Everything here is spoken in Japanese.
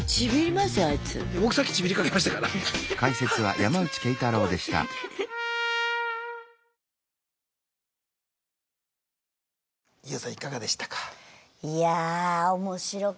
ＹＯＵさんいかがでしたか？